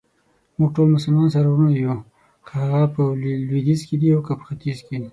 موږټول مسلمانان سره وروڼه يو ،که هغه په لويديځ کې دي اوکه په ختیځ.